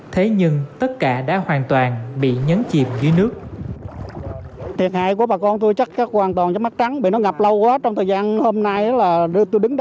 thế nhưng tất cả đã hoàn toàn bị nhấn chìm dưới nước